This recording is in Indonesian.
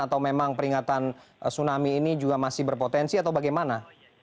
atau memang peringatan tsunami ini juga masih berpotensi atau bagaimana